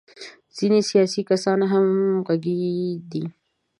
ځینې سیاسي کسان هم همغږي دي.